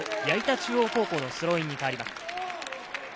矢板中央高校のスローインに代わります。